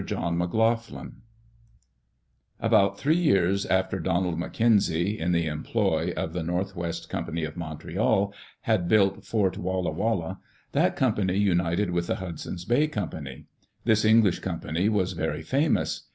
JOHN m'LOUGHLIN ABOUT three years after Donald McKenzie, in the employ of the North West Company of Montreal, had built Fort Walla Walla, that company united with the Hudson's Bay Company. This English company was very famous.